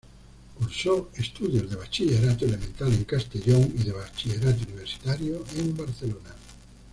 Cursó estudios de bachillerato elemental en Castellón y de bachillerato universitario en Barcelona.